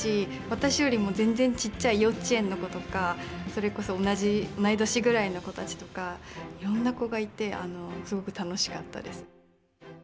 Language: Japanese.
私よりも全然ちっちゃい幼稚園の子とかそれこそ同じ同い年ぐらいの子たちとかいろんな子がいてすごく楽しかったです。